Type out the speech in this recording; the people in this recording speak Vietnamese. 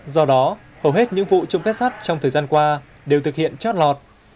do đó hầu hết những vụ trộm kết sắt trong thời gian qua đều thực hiện chót lọt